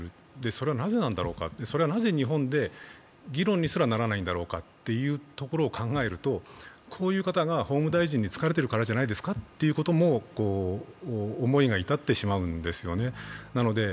それはなぜなのだろうか、それはなぜ日本で議論にすらならないんだろうかというところを考えるとこういう方が法務大臣に就かれているからじゃないですかという思いが至ってしまうんですね。